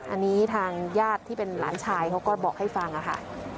อันนี้ทางญาติที่เป็นหลานชายเขาก็บอกให้ฟังค่ะ